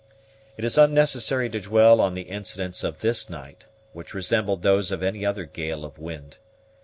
It is unnecessary to dwell on the incidents of this night, which resembled those of any other gale of wind.